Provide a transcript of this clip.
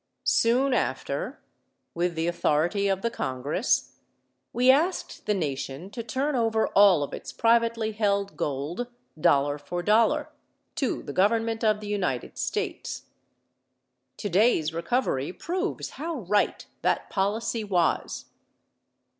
Soon after, with the authority of the Congress, we asked the nation to turn over all of its privately held gold, dollar for dollar, to the government of the United States. Today's recovery proves how right that policy was.